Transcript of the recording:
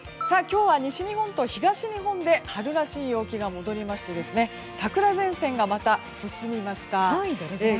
今日は西日本と東日本で春らしい陽気が戻りまして桜前線がまた進みました。